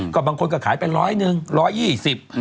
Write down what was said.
ก็บางคนก็ขายไปร้อยหนึ่งร้อยยี่สิบ